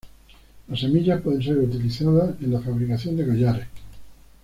Las semillas pueden ser utilizados en la fabricación de collares.